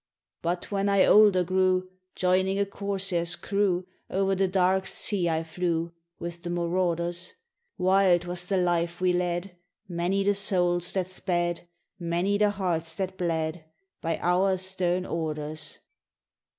" But when I older grew, Joining a corsair's crew, O'er the dark sea I flew With the marauders. Wild was the life we led; Many the souls that sped, Many the hearts that bled, By our stern orders.